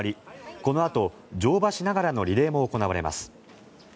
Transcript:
このあと、乗馬しながらのリレーも行われます。